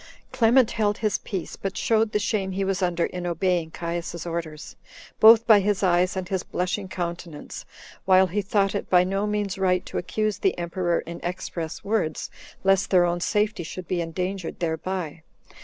Clement held his peace, but showed the shame he was under in obeying Caius's orders, both by his eyes and his blushing countenance, while he thought it by no means right to accuse the emperor in express words, lest their own safety should be endangered thereby.